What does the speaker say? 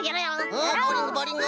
うんボウリングボウリング。